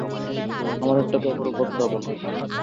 আমার একটা ব্যাপারও বদলাবো না আমি।